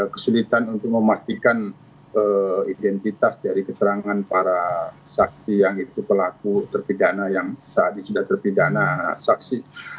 kesulitan untuk memastikan identitas dari keterangan para saksi yang itu pelaku terpidana yang saat ini sudah terpidana saksi